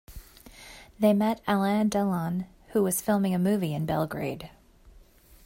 They met Alain Delon, who was filming a movie in Belgrade.